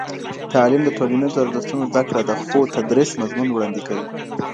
تعليم د ټولنيزو ارزښتونو زده کړه ده؛ ؛خو تدريس مضمون وړاندي کوي.